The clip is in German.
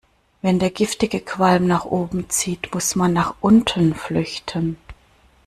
Wenn der giftige Qualm nach oben zieht, muss man nach unten flüchten.